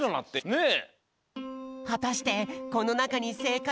ねえ！